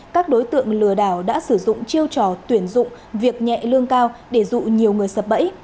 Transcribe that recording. các đối tượng lừa đảo đã sử dụng chiêu trò tuyển dụng việc nhẹ lương cao để dụ nhiều người sập bẫy